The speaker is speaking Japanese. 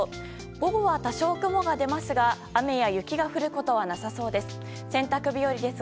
午後は多少雲が出ますが雨や雪が降ることはなさそうです。